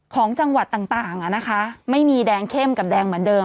ของจังหวัดต่างต่างอ่ะนะคะไม่มีแดงเข้มกับแดงเหมือนเดิม